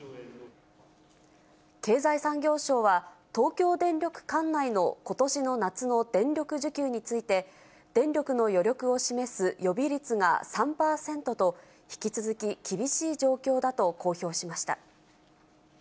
経済産業省は、東京電力管内のことしの夏の電力需給について、電力の余力を示す予備率が３％と、引き続き厳しい状況だと公表しました。